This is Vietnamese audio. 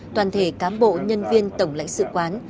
toàn thể cán bộ nhân viên tổng lãnh sự quán